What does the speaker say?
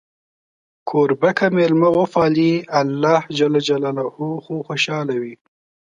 کوربه که میلمه وپالي، الله خوشحاله وي.